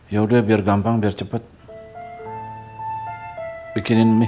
yaudah biar gampang biar cepet bikinin mie